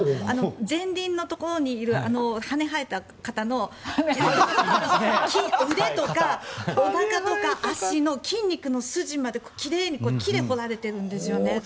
前輪のところにいる羽が生えた方の腕とかおなかとか足の筋肉の筋まで奇麗に木で彫られてるんですよね。